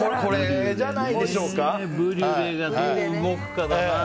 ブリュレがどう動くかだな。